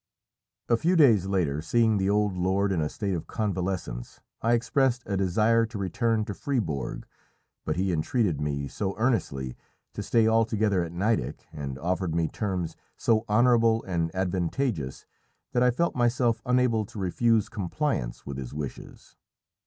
A few days later, seeing the old lord in a state of convalescence, I expressed a desire to return to Fribourg, but he entreated me so earnestly to stay altogether at Nideck, and offered me terms so honourable and advantageous, that I felt myself unable to refuse compliance with his wishes.